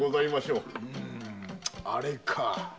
うむあれか。